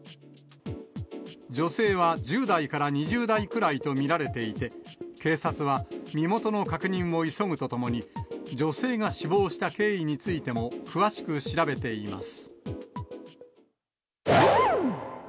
女性は１０代から２０代くらいと見られていて、警察は身元の確認を急ぐとともに、女性が死亡した経緯についても、詳しく調べています。